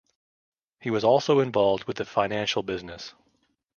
He was also involved with the financial business.